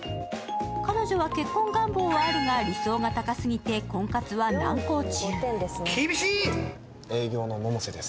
彼女は結婚願望はあるが、理想が高すぎて婚活は難航中。